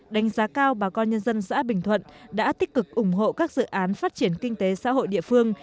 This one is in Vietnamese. đánh giá cao bà con nhân dân xã bình thuận đã tích cực ủng hộ các dự án phát triển kinh tế xã hội địa phương